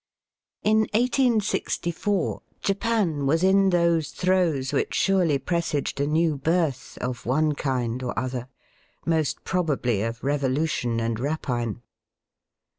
In 1864 Japan was in those throes which surely presaged a new birth of one kind or other, most probably of revolution and rapine.